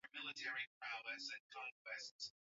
Ambayo kumbe ndiyo wauaji wake walikuwa wanataka